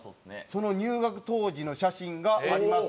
その入学当時の写真があります。